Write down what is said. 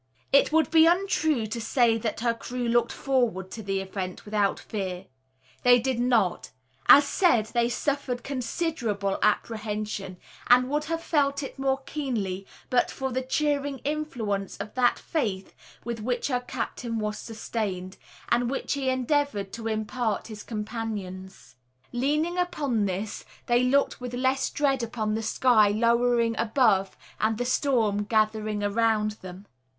It would be untrue to say that her crew looked forward to the event without fear. They did not. As said, they suffered considerable apprehension; and would have felt it more keenly, but for the cheering influence of that faith with which her captain was sustained, and which he endeavoured to impart to his companions. Leaning upon this, they looked with less dread upon the sky lowering above and the storm gathering around them.